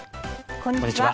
こんにちは。